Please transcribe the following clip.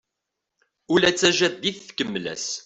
Ula d tajadit tkemmel-as.